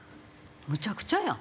むちゃくちゃやん。